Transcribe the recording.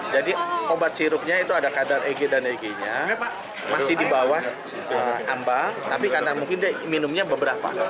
jadi obat sirupnya itu ada kadar eg dan eg nya masih di bawah ambang tapi mungkin dia minumnya beberapa